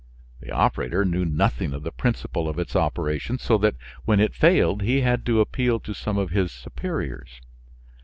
The operator knew nothing of the principle of its operation, so that when it failed he had to appeal to some of his superiors.